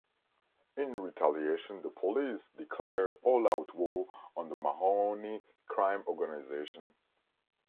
In retaliation, the police declare all-out war on the Mahoney crime organization.